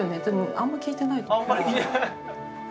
あんまり聞いてない。